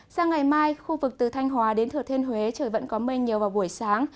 sang ngày mai khu vực từ thanh hóa đến thừa thiên huế trời vẫn có mây nhiều vào buổi sáng